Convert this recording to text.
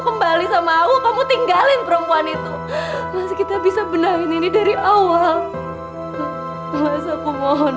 kenapa dia terus terus menerasaku